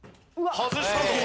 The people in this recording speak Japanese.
外したぞ。